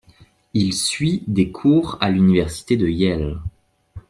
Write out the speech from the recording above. Il suit des cours à l'Université de Yale.